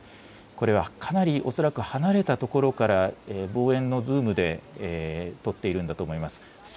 これはかなり恐らく離れた所から望遠のズームで撮っているんだと思います。